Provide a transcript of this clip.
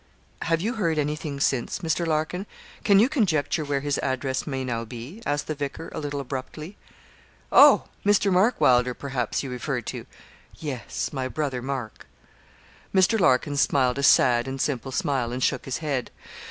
'Have you heard anything since, Mr. Larkin? Can you conjecture where his address may now be?' asked the vicar, a little abruptly. 'Oh! Mr. Mark Wylder, perhaps, you refer to?' 'Yes; my brother, Mark.' Mr. Larkin smiled a sad and simple smile, and shook his head.